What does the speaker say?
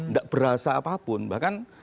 nggak berasa apapun bahkan